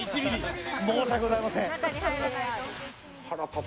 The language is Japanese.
申し訳ございません。